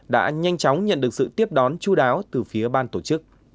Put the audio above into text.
đã nhanh chóng nhận được sự tiếp đón chú đáo từ phía ban tổ chức